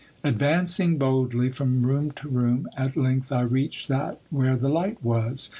Advancing boldly from room to room, at length I reached that where the light was.